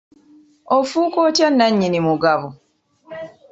Ofuuka otya nannyini mugabo?